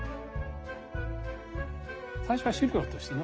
最初は資料としてね